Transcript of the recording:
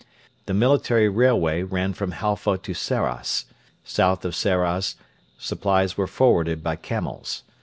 The military railway ran from Halfa to Sarras. South of Sarras supplies were forwarded by camels.